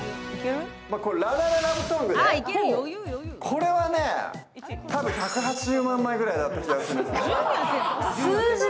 これはね、たぶん１８０万枚ぐらいだった気がするんですね。